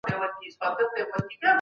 انسان هغه مخلوق دی چي الهي روح پکښي دی.